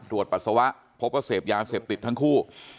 ปัสสาวะพบว่าเสพยาเสพติดทั้งคู่